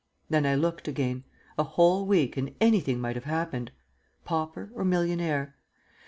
Then I looked again; a whole week and anything might have happened. Pauper or millionaire?